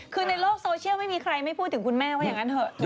คือในโลกโซเชียลไม่มีใครไม่พูดถึงคุณแม่ว่าอย่างนั้นเถอะ